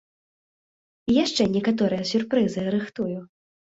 І яшчэ некаторыя сюрпрызы рыхтую.